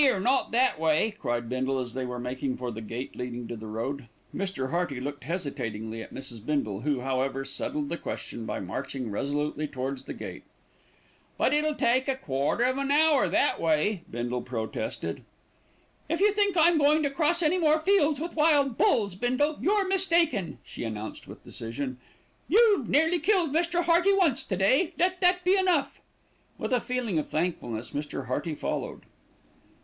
"'Ere, not that way," cried Bindle, as they were making for the gate leading to the road. Mr. Hearty looked hesitatingly at Mrs. Bindle, who, however, settled the question by marching resolutely towards the gate. "But it'll take a quarter of an hour that way," Bindle protested. "If you think I'm going across any more fields with wild bulls, Bindle, you're mistaken," she announced with decision. "You've nearly killed Mr. Hearty once to day. Let that be enough." With a feeling of thankfulness Mr. Hearty followed.